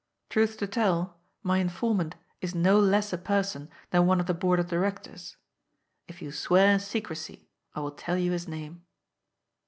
Truth to tell, my informant is no less a person than one of the board of directors. If you swear secrecy, I will tell you his name."